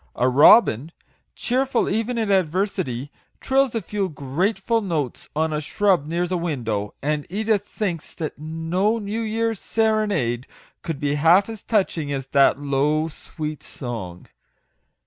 A robin, cheerful even in adversity, trills a few grateful notes on a shrub near the window, and Edith thinks that no new year's serenade could be half as touching as that low, sweet song.